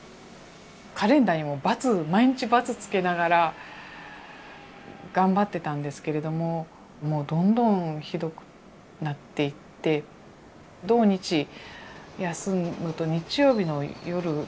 カレンダーにバツ毎日バツつけながら頑張ってたんですけれどももうどんどんひどくなっていって土日休むと日曜日の夜って最悪なんですよね。